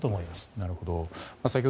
なるほど。